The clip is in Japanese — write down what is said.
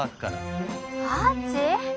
アーチ？